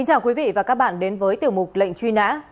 xin chào quý vị và các bạn đến với tiểu mục lệnh truy nã